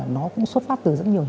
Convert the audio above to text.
nó cũng xuất phát từ rất nhiều lúc đó